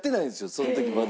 その時まだ。